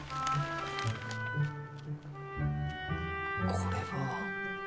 これは。